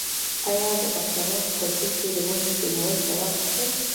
آیا د پښتنو په کلتور کې د ونو کینول ثواب نه دی؟